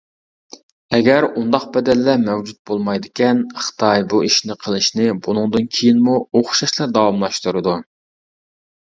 ئەگەر ئۇنداق بەدەللەر مەۋجۇت بولمايدىكەن، خىتاي بۇ ئىشنى قىلىشنى بۇنىڭدىن كېيىنمۇ ئوخشاشلا داۋاملاشتۇرىدۇ.